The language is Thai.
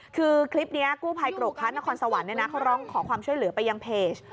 คือคลิปนี้กู้ภัยกรกภัณฑ์นครสวรรค์ขอความช่วยเหลือไปยังเพจ